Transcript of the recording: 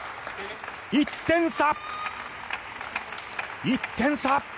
１点差！